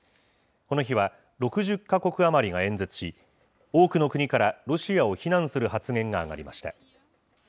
この日は、６０か国余りが演説し、多くの国からロシアを非難する発言が上がりました。